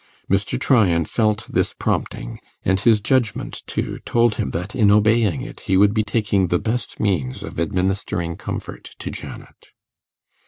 Mr. Tryan felt this prompting, and his judgement, too, told him that in obeying it he would be taking the best means of administering comfort to Janet.